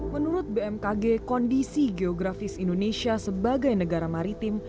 menurut bmkg kondisi geografis indonesia sebagai negara maritim